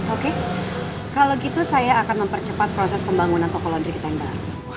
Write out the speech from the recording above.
oke kalau gitu saya akan mempercepat proses pembangunan toko laundry kita yang baru